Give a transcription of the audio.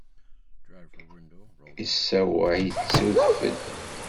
Yessaweε-itt udfel.